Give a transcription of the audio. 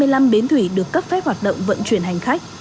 hiện có hai mươi năm bến thủy được cấp phép hoạt động vận chuyển hành khách